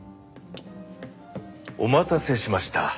お待たせしました。